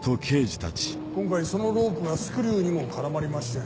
今回そのロープがスクリューにも絡まりまして。